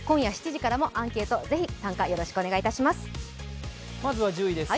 今夜７時からもアンケートぜひ参加お願いします。